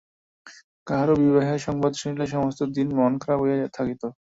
কাহারো বিবাহের সংবাদ শুনিলে সমস্ত দিন মন খারাপ হইয়া থাকিত।